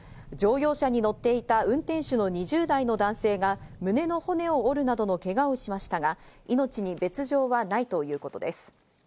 乗用車に乗っていた運転手の２０代の男性が胸の骨を折るなどのけがをしましたが命に別条はないということです。